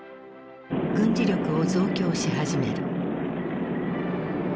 軍事力を増強し始める。